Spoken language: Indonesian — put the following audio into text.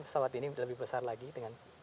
pesawat ini lebih besar lagi dengan